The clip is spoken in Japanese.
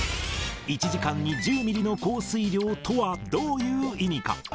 １時間に１０ミリの降水量とはどういう意味か？